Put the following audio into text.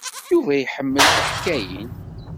Yuba iḥemmel tiḥkayin.